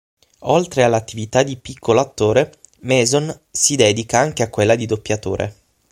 Oltre all'attività di piccolo attore, Mason si dedica anche a quella di doppiatore.